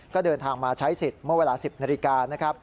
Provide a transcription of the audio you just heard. ก็เดินทางมาใช้สิทธิ์เมื่อเวลา๑๐นาฬิกานะครับ